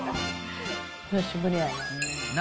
久しぶりやね。